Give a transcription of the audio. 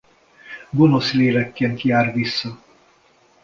Gonosz lélekként jár vissza.